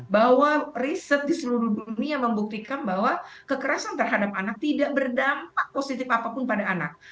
bahwa riset di seluruh dunia membuktikan bahwa kekerasan terhadap anak tidak berdampak positif apapun pada anak